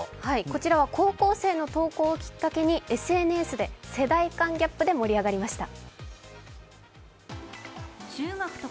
こちらは高校生の投稿をきっかけにＳＮＳで世代間ギャップで盛り上がりました。